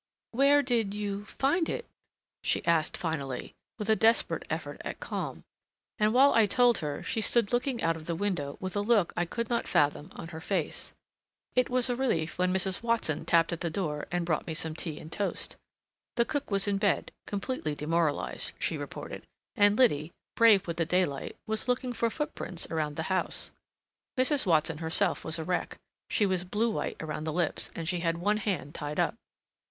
"Where did—you—find it?" she asked finally, with a desperate effort at calm. And while I told her she stood looking out of the window with a look I could not fathom on her face. It was a relief when Mrs. Watson tapped at the door and brought me some tea and toast. The cook was in bed, completely demoralized, she reported, and Liddy, brave with the daylight, was looking for footprints around the house. Mrs. Watson herself was a wreck; she was blue white around the lips, and she had one hand tied up.